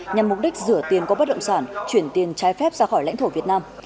nhằm mục đích rửa tiền có bất động sản chuyển tiền trái phép ra khỏi lãnh thổ việt nam